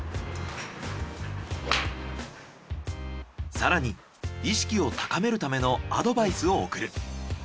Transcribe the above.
更に意識を高めるためのアドバイスを送る。